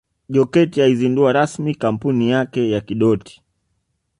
Jokate aizundua rasmi kampuni yake ya Kidoti